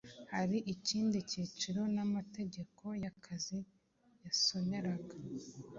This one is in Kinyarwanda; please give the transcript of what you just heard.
Hari ikindi cyiciro amategeko y'akazi yasoneraga